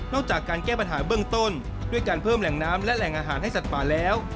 จากการแก้ปัญหาเบื้องต้นด้วยการเพิ่มแหล่งน้ำและแหล่งอาหารให้สัตว์ป่าแล้ว